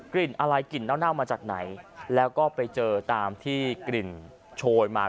กลิ่นอะไรกลิ่นเน่ามาจากไหนแล้วก็ไปเจอตามที่กลิ่นโชยมา